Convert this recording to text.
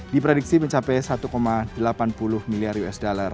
diprediksi mencapai satu delapan puluh miliar usd